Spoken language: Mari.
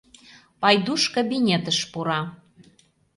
Пайдуш кабинетыш пура.